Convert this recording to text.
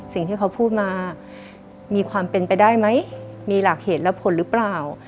สิ่งที่เขาพูดมามีความเป็นไปได้ไหมมีหลักเหตุและผลหรือเปล่า